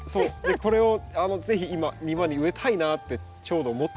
これを是非今庭に植えたいなってちょうど思ってたんですよ。